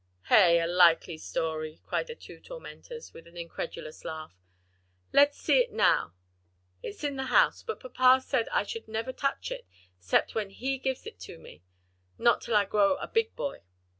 "Hey! a likely story!" cried the two tormentors, with an incredulous laugh. "Let's see it now?" "It's in the house, but papa said I should never touch it 'cept when he gives it to me; not till I grow a big boy."